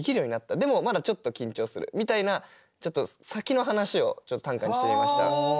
でもまだちょっと緊張するみたいなちょっと先の話を短歌にしてみました。